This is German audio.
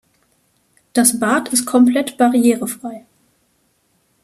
Das Bad ist komplett barrierefrei.